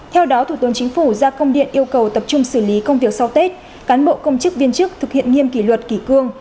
theo đó thủ tướng chính phủ ra công điện yêu cầu tập trung xử lý công việc sau tết cán bộ công chức viên chức thực hiện nghiêm kỷ luật kỷ cương